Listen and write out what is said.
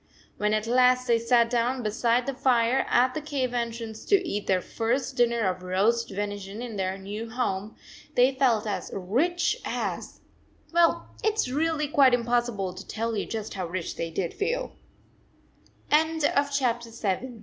When at last they sat down beside the fire at the cave entrance to eat their first dinner of roast venison in their new home, they felt as rich as well it s really quite impossible to tell you just how rich they did f